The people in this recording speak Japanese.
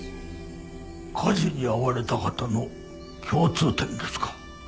火事に遭われた方の共通点ですか。